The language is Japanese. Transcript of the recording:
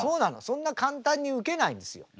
そんな簡単にウケないんですよ。